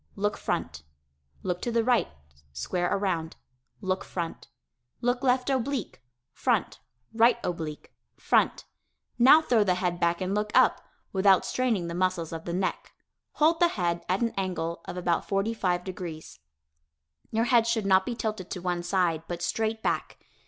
Look front. Look to the right (square around). Look front. Look left oblique. Front. Right oblique. Front. Now throw the head back and look up (without straining the muscles of the neck) hold the head at an angle of about 45 degrees. Your head should not be tilted to one side, but straight back.